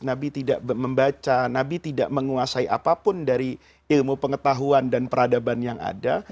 nabi tidak membaca nabi tidak menguasai apapun dari ilmu pengetahuan dan peradaban yang ada